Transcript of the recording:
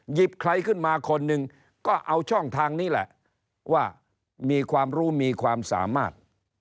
ใครขึ้นมาคนหนึ่งก็เอาช่องทางนี้แหละว่ามีความรู้มีความสามารถ